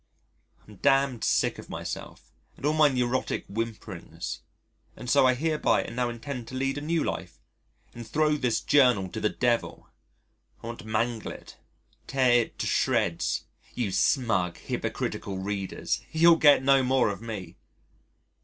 I'm damned sick of myself and all my neurotic whimperings, and so I hereby and now intend to lead a new life and throw this Journal to the Devil. I want to mangle it, tear it to shreds. You smug, hypocritical readers! you'll get no more of me.